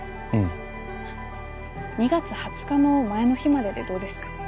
うん２月２０日の前の日まででどうですか？